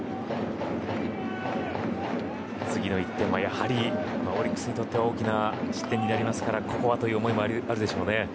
次の１点はやはりオリックスにとっては大きな失点になりますからここはという思いもあるでしょうね。